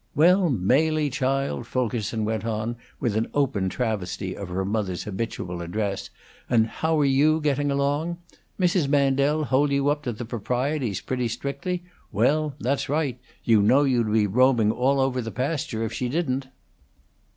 "Well, Mely, child," Fulkerson went on, with an open travesty of her mother's habitual address, "and how are you getting along? Mrs. Mandel hold you up to the proprieties pretty strictly? Well, that's right. You know you'd be roaming all over the pasture if she didn't."